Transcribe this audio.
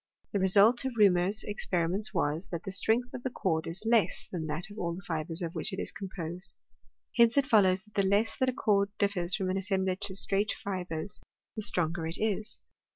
The result of Reaumur's experiments was, that the strength of the cord is less than that of all the fibres of which it is com posed. Hence it follows, that the less that a cord ditfers from an assemblage of straight fibres, the stronger it is.